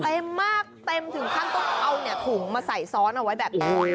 เต็มมากเต็มถึงข้างตรงเอาเนี่ยถุงมาใส่ซ้อนเอาไว้แบบ